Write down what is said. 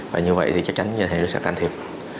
và như vậy thì chắc chắn ngân hàng nhà nước sẽ can thiệp